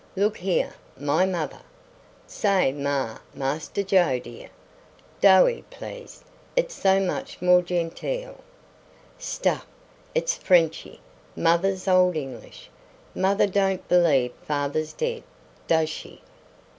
Look here: my mother " "Say ma, Master Joe, dear. Doey, please; it's so much more genteel." "Stuff! it's Frenchy; mother's old English. Mother don't believe father's dead, does she?"